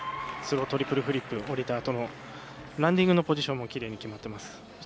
スロートリプルフリップ降りたときのランディングのポジションもきれいに決まってます。